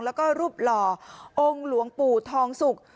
แล้วก็รูปหล่อองค์หลวงปู่ทองสุก